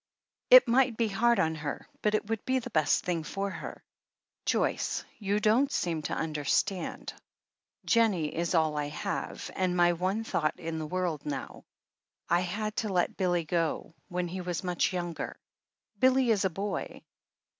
"It might be hard on you, but it would be the best thing for her." "Joyce, you don't seem to understand. Jennie is all I have, and my one thought in the world now." 1 had to let Billy go, when he was much younger." 'Billy is a boy.